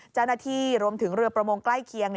จนาทีรวมถึงเรือประมงใกล้เคียง